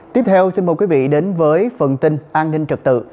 tiếp theo xin mời quý vị đến với phần tin an ninh trật tự